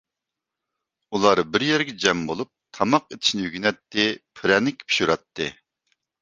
ئۇلار بىر يەرگە جەم بولۇپ، تاماق ئېتىشنى ئۆگىنەتتى، پىرەنىك پىشۇراتتى.